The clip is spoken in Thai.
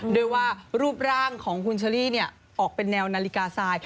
โดยว่ารูปร่างของคุณเชอรี่เนี่ยออกเป็นแนวนาฬิกาไซด์